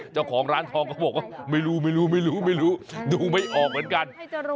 เจ้าของร้านทองเขาบอกว่าไม่รู้ดูไม่ออกเหมือนกัน